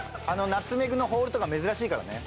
ナツメグのホールとか珍しいからね。